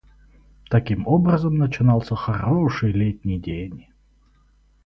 Таким образом начинался хороший летний день.